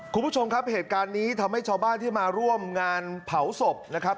คุณผู้ชมครับเหตุการณ์นี้ทำให้ชาวบ้านที่มาร่วมงานเผาศพนะครับ